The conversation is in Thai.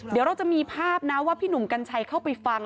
เดี๋ยวเราจะมีภาพนะว่าพี่หนุ่มกัญชัยเข้าไปฟัง